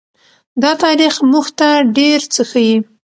دا تاریخ موږ ته ډېر څه ښيي.